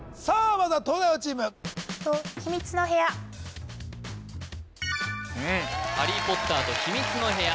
まずは東大王チーム「ハリー・ポッターと秘密の部屋」